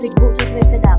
dịch vụ cho thêm xe đạp